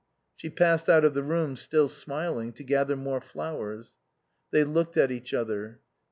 She passed out of the room, still smiling, to gather more flowers. They looked at each other.